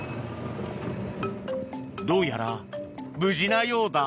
どうやら無事なようだ。